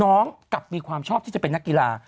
กลับมีความชอบที่จะเป็นนักกีฬา